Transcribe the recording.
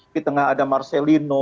di tengah ada marcelino